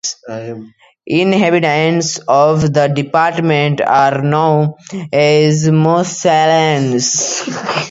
Inhabitants of the department are known as "Mosellans".